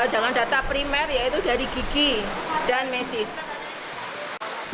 dengan data primer yaitu dari gigi dan medis